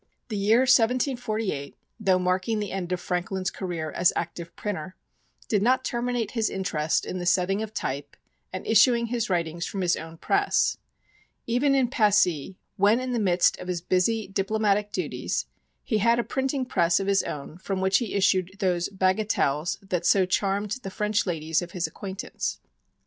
The year 1748, though marking the end of Franklin's career as active printer, did not terminate his interest in the setting of type and issuing his writings from his own press. Even in Passy, when in the midst of his busy diplomatic duties, he had a printing press of his own from which he issued those "bagatelles" that so charmed the French ladies of his acquaintance.